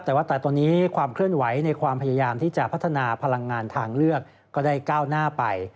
แต่ว่าแต่ตอนนี้ความเคลื่อนไหวในความพยายามที่จะพัฒนาพลังงานทางเลือกก็ได้ก้าวหน้าไป